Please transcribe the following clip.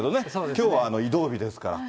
きょうは移動日ですから。